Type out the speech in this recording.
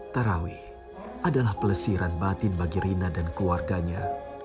tarawih adalah pelesiran batin bagi rina dan keluarganya